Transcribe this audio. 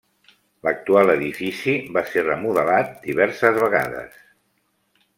L'actual edifici va ser remodelat diverses vegades.